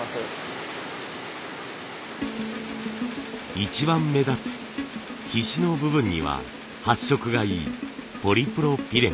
一番目立つ菱の部分には発色がいいポリプロピレン。